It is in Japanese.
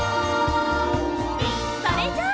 それじゃあ。